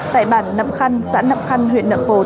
tại bản nậm khăn xã nậm khăn huyện nậm pồ